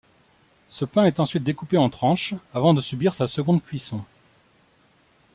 Ce pain est ensuite découpé en tranches, avant de subir sa seconde cuisson.